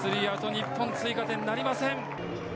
日本、追加点なりません。